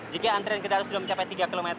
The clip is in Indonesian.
jika antrian kendaraan sudah mencapai tiga km